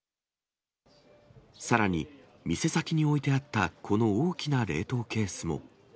さらに店先に置いてあった、この大きな冷凍ケースも。